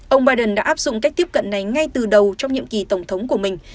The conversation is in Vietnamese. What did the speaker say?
ông biden đã áp dụng cách tiếp cận này ngay từ đầu trong nhiệm kỳ tổng thống của mình